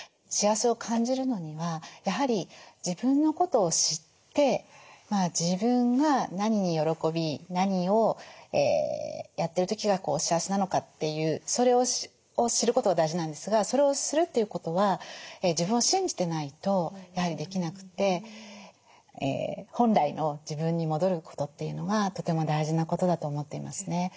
幸せを感じるのにはやはり自分のことを知って自分が何に喜び何をやってる時が幸せなのかっていうそれを知ることが大事なんですがそれをするということは自分を信じてないとやはりできなくて本来の自分に戻ることっていうのがとても大事なことだと思っていますね。